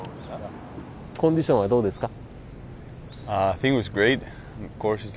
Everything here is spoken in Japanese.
◆コンディションはどうですか？